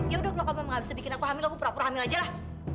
ya udah lo kamu gak bisa bikin aku hamil aku pura pura hamil aja lah